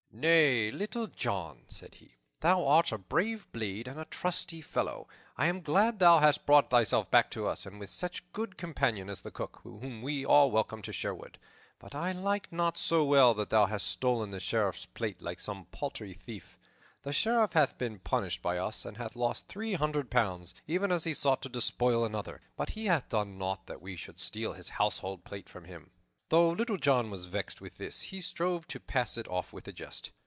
"Nay, Little John," said he, "thou art a brave blade and a trusty fellow. I am glad thou hast brought thyself back to us, and with such a good companion as the Cook, whom we all welcome to Sherwood. But I like not so well that thou hast stolen the Sheriff's plate like some paltry thief. The Sheriff hath been punished by us, and hath lost three hundred pounds, even as he sought to despoil another; but he hath done nought that we should steal his household plate from him." Though Little John was vexed with this, he strove to pass it off with a jest.